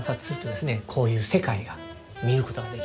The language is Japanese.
こういう世界が見ることができると。